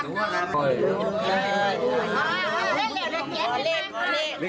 เจ็ดซ้ำย้อนเหรอ